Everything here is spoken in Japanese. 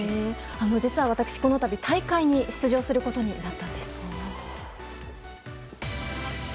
実は私、このたび大会に出場することになったんです。